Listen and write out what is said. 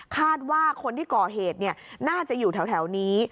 คาดว่าคนที่ก่อเหตุน่าจะอยู่แถวนี้